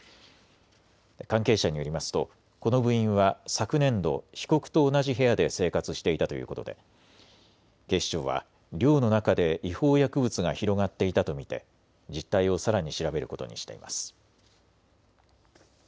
関係者によりますとこの部員は昨年度、被告と同じ部屋で生活していたということで警視庁は寮の中で違法薬物が広がっていたと見て実態をさらに調べることにしています。